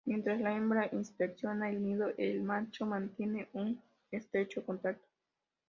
Mientras la hembra inspecciona el nido, el macho mantiene un estrecho contacto.